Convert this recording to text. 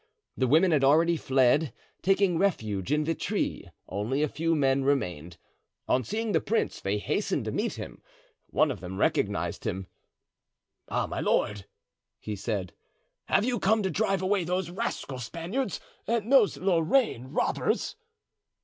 The women had already fled, taking refuge in Vitry; only a few men remained. On seeing the prince they hastened to meet him. One of them recognized him. "Ah, my lord," he said, "have you come to drive away those rascal Spaniards and those Lorraine robbers?"